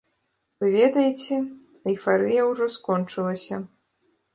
Вы ведаеце, эйфарыя ўжо скончылася.